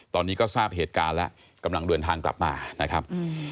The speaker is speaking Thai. ตอนนี้ก็ทราบเหตุการณ์แล้วกำลังเดินทางกลับมานะครับ